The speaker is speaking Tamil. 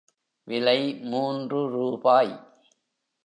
விலை மூன்று ரூபாய்.